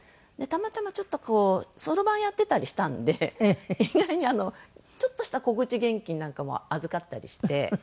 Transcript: たまたまちょっとこうそろばんやってたりしたんで意外にちょっとした小口現金なんかも預かったりして。